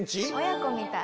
親子みたい。